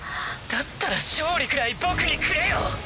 だったら勝利くらい僕にくれよ。